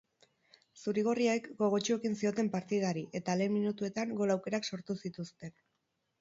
Zuri-gorriek gogotsu ekin zioten partidari eta lehen minutuetan gol aukerak sortu zituzten.